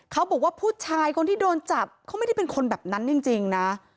เขาบอกว่าผู้ชายคนที่โดนจับเขาไม่ได้เป็นคนแบบนั้นจริงนะ